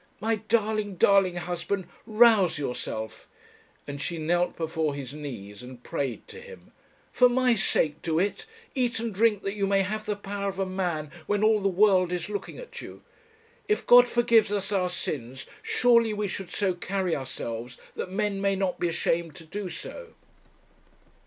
My darling, darling husband, rouse yourself,' and she knelt before his knees and prayed to him; 'for my sake do it; eat and drink that you may have the power of a man when all the world is looking at you. If God forgives us our sins, surely we should so carry ourselves that men may not be ashamed to do so.'